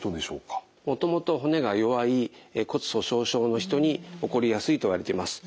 もともと骨が弱い骨粗しょう症の人に起こりやすいといわれています。